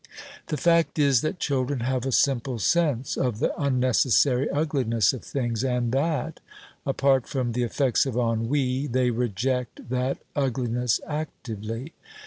The fact is that children have a simple sense of the unnecessary ugliness of things, and that apart from the effects of ennui they reject that ugliness actively.